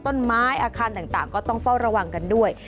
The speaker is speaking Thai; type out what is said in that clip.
ต้นไม้อาคารต่างก็ต้องเฝ้าระวังกันด้วย